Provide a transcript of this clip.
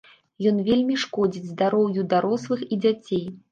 Ён вельмі шкодзіць здароўю дарослых і дзяцей.